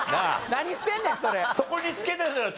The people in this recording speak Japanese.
何してんねんそれ。